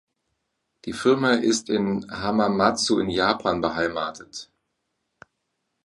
Die Firma ist in Hamamatsu in Japan beheimatet.